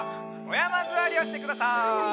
おやまずわりをしてください。